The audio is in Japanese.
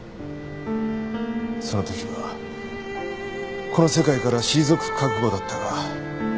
そのときはこの世界から退く覚悟だったが。